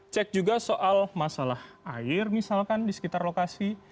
cek juga soal masalah air misalkan di sekitar lokasi